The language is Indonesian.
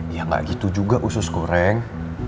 ya gak gitu juga sus goreng